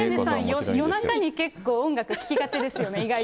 夜中に結構、音楽聴きがちですよね、意外とね。